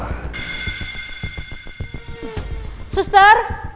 kenapa bisa seperti ini